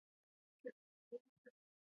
ژورې سرچینې د افغانستان د انرژۍ سکتور برخه ده.